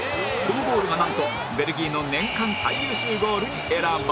このゴールがなんとベルギーの年間最優秀ゴールに選ばれ